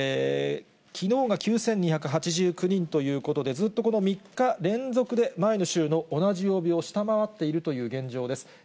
きのうが９２８９人ということで、ずっとこの３日連続で、前の週の同じ曜日を下回っているという現状です。